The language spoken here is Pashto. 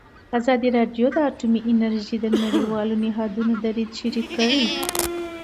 ازادي راډیو د اټومي انرژي د نړیوالو نهادونو دریځ شریک کړی.